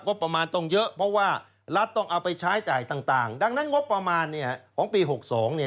ประมาณต้องเยอะเพราะว่ารัฐต้องเอาไปใช้จ่ายต่างดังนั้นงบประมาณเนี่ยของปี๖๒เนี่ย